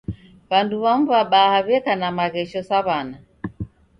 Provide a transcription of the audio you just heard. W'andu w'amu w'abaha w'eka na maghesho sa w'ana